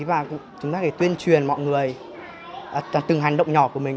và chúng ta phải tuyên truyền mọi người từng hành động nhỏ của mình